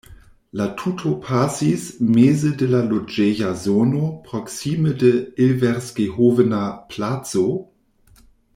La tuto pasis meze de loĝeja zono proksime de Ilversgehovener-placo.